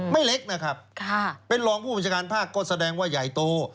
เล็กนะครับเป็นรองผู้บัญชาการภาคก็แสดงว่าใหญ่โต